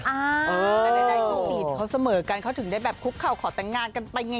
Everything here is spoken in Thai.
แต่ใดลูกอดีตเขาเสมอกันเขาถึงได้แบบคุกเข่าขอแต่งงานกันไปไง